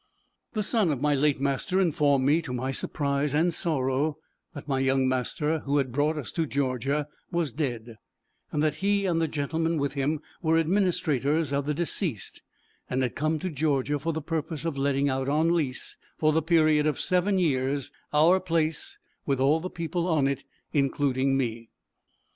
The son of my late master informed me, to my surprise and sorrow, that my young master, who had brought us to Georgia, was dead; and that he and the gentleman with him, were administrators of the deceased, and had come to Georgia for the purpose of letting out on lease, for the period of seven years, our place, with all the people on it, including me.